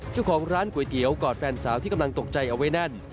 เจ้าของร้านก๋วยเตี๋ยวกอดแฟนสาวที่กำลังตกใจเอาไว้แน่น